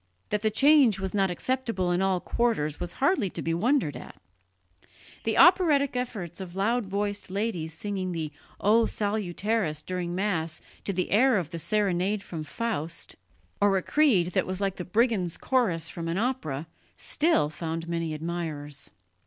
That the change was not acceptable in all quarters was hardly to be wondered at. The operatic efforts of loud voiced ladies singing the O Salutaris during Mass to the air of the Serenade from Faust, or a Creed that was like the Brigands' Chorus from an opera, still found many admirers.